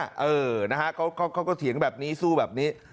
ของพี่ฉันน่ะเออนะฮะเขาก็เถียงแบบนี้สู้แบบนี้